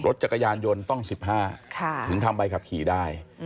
รถจักรยานยนต์ต้อง๑๕ถึงทำใบขับขี่ได้